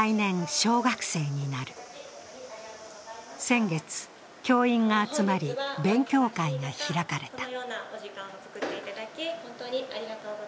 先月、教員が集まり、勉強会が開かれた。